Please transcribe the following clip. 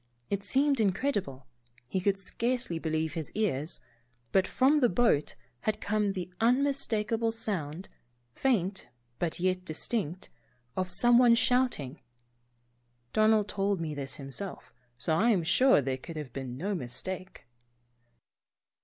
It seemed incredible — he could scarcely believe his ears, but from that boat had come the unmistakable sound, faint but yet distinct, of someone shouting. (Don ald told me this himself, so I am sure there could have been no mistake.)